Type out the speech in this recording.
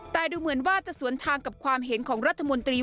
แต่ดูเหมือนว่าจะสวนทางกับความเห็นของรัฐมนตรี